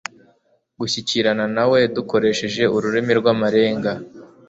gushyikirana na we dukoresheje ururimi rw'amarenga.